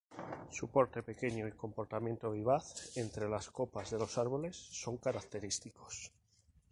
Su porte pequeño y comportamiento vivaz entre las copas de los árboles son característicos.